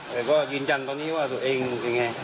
แต่ก็จีนจันตอนนี้ว่าสุกเองยังไง